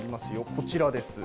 こちらです。